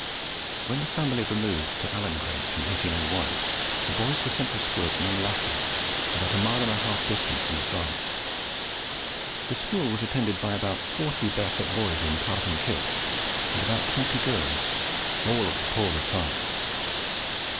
When the family removed to Allengrange in 1801, the boys were sent to school at Munlachy, about a mile and a half distant from the farm. The school was attended by about forty barefooted boys in tartan kilt's, and about twenty girls, all of the poorer class.